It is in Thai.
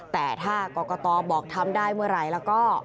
แต่ถ้ากรกตบอกทำได้เมื่อไหร่แล้วก็